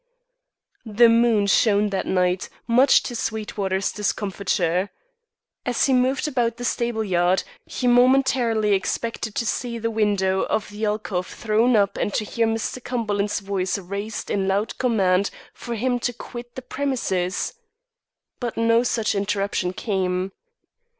The moon shone that night, much to Sweetwater's discomforture. As he moved about the stable yard, he momentarily expected to see the window of the alcove thrown up and to hear Mr. Cumberland's voice raised in loud command for him to quit the premises. But no such interruption came.